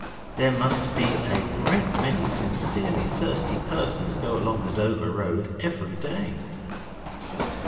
There must be a great many sincerely thirsty persons go along the Dover Road every day.